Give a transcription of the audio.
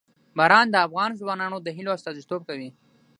باران د افغان ځوانانو د هیلو استازیتوب کوي.